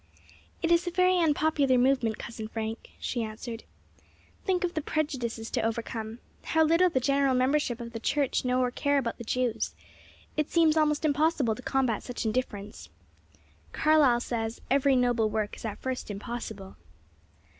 "It is a very unpopular movement, Cousin Frank," she answered. "Think of the prejudices to overcome. How little the general membership of the Church know or care about the Jews! It seems almost impossible to combat such indifference. Carlyle says, 'Every noble work is at first impossible.'"